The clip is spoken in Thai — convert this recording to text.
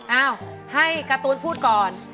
เอ้าให้การ์ตูนพูดก่อน